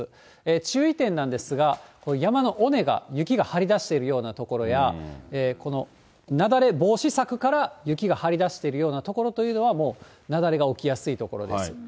注意点なんですが、山の尾根が、雪が張り出しているような所や、この雪崩防止柵から雪が張り出してるような所というのは、もう雪崩が起きやすい所です。